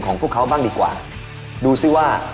ของพวกเขาบ้างดีกว่า